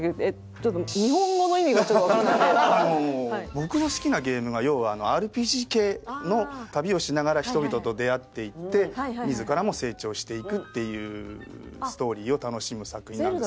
僕の好きなゲームが要はＲＰＧ系の旅をしながら人々と出会っていって自らも成長していくっていうストーリーを楽しむ作品なんですけれども。